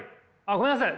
ごめんなさい。